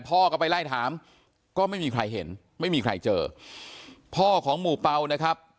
พ่อก็ไปไล่ถามก็ไม่มีใครเห็นไม่มีใครเจอพ่อของหมู่เปล่านะครับ